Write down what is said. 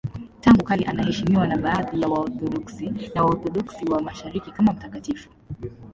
Tangu kale anaheshimiwa na baadhi ya Waorthodoksi na Waorthodoksi wa Mashariki kama mtakatifu.